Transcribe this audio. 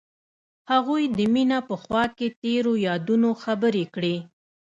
هغوی د مینه په خوا کې تیرو یادونو خبرې کړې.